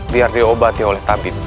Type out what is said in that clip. biar diobati oleh tabib